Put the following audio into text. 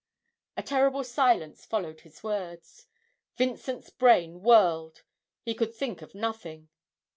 A terrible silence followed his words; Vincent's brain whirled, he could think of nothing.